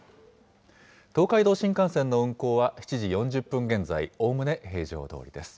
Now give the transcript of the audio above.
東海道新幹線の運行は７時４０分現在、おおむね平常どおりです。